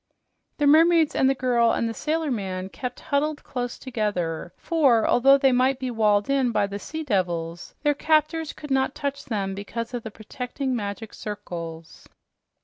The mermaids and the girl and sailor man kept huddled close together, for although they might be walled in by the sea devils, their captors could not touch them because of the protecting magic circles.